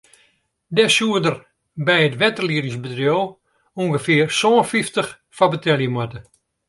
Dêr soed er by it wetterliedingbedriuw ûngefear sân fyftich foar betelje moatte.